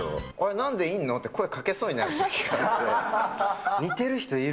なんでいんの？って声かけそうになって。